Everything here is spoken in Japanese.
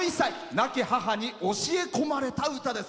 亡き母に教え込まれた歌です。